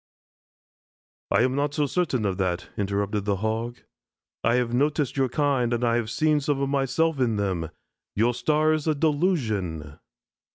"I am not so certain of that," interrupted the Hog. "I have noticed your kind and I ever see some of myself in them. Your star is a delusion."